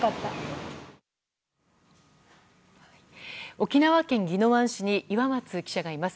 沖縄県宜野湾市に岩松記者がいます。